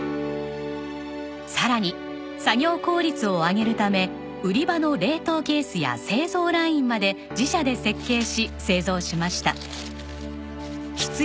さらに作業効率を上げるため売り場の冷凍ケースや製造ラインまで自社で設計し製造しました。